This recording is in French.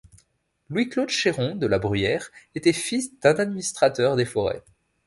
Louis-Claude Chéron de la Bruyère était fils d'un administrateur des forêts.